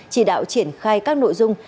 chỉ đạo triển khai các nội dung